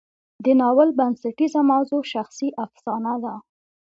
د ناول بنسټیزه موضوع شخصي افسانه ده.